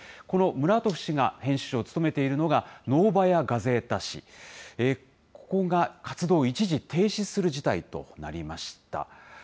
このムラートフ氏が編集長を務めているのが、ノーバヤ・ガゼータ紙、ここが活動を一時停止する事態となりました。